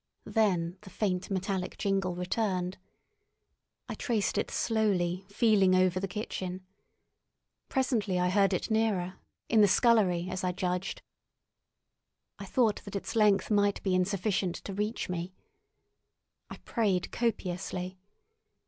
Then the faint metallic jingle returned. I traced it slowly feeling over the kitchen. Presently I heard it nearer—in the scullery, as I judged. I thought that its length might be insufficient to reach me. I prayed copiously.